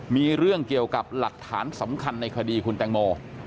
มีเรื่องเกี่ยวกับหลักฐานสำคัญในคดีคุณแตงโม